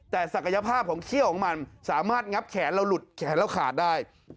แต่ศักยภาพของเขี้ยวของมันสามารถงับแขนเราหลุดแขนเราขาดได้